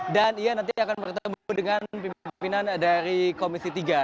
dan ia nanti akan bertemu dengan pimpinan dari komisi tiga